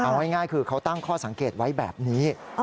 เอาง่ายคือเขาตั้งข้อสังเกตไว้แบบนี้